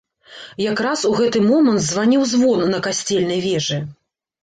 Якраз у гэты момант званіў звон на касцельнай вежы.